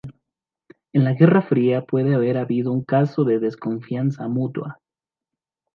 En la guerra fría puede haber habido un caso de desconfianza mutua.